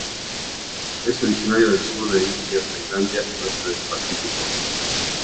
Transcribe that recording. Es originario del sur de India, Tailandia y oeste del Pacífico.